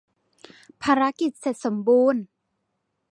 ภารกิจเสร็จสมบูรณ์ !